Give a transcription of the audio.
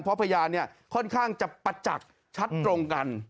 เพราะพยานเนี่ยค่อนข้างจะประจักษ์ชัดตรงกัน